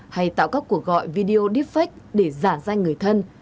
hay tạo các cuộc gọi video deepfake để giả danh người thân